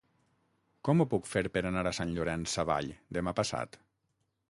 Com ho puc fer per anar a Sant Llorenç Savall demà passat?